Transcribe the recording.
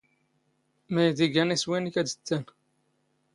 ⵎⴰⵢⴷ ⵉⴳⴰⵏ ⵉⵙⵡⵉ ⵏⵏⴽ ⴰⴷⵜⵜⴰⵏ?